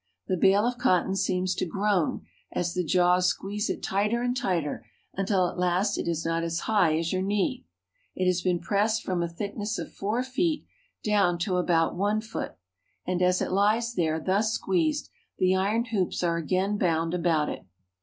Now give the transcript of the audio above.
The bale of cotton seems to groan as the jaws squeeze it tighter and tighter until at last it is not as high as your knee. It has been pressed from a thickness of four feet down to about one foot ; and as it hes there thus squeezed, the iron hoops are again bound about it.